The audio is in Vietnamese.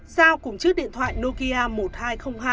sao cùng chiếc điện thoại nokia một nghìn hai trăm linh hai